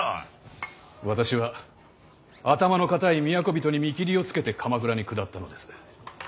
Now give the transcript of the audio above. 私は頭の固い都人に見切りをつけて鎌倉に下ったのです。